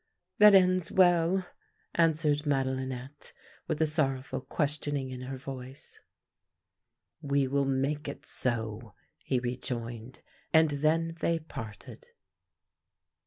""' That ends well! '" answered Madelinette, with a sorrowful questioning in her voice. " We will make it so," he rejoined, and then they parted.